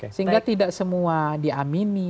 sehingga tidak semua diamini